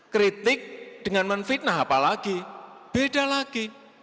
kritik dengan menfitnah apalagi beda lagi